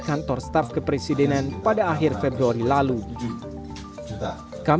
kepentingan presiden dengan elit psi bersifat politik praktis